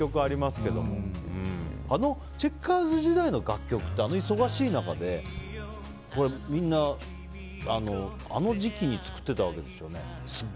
あのチェッカーズ時代の楽曲ってあの忙しい中でみんなあの時期に作ってたわけですよね。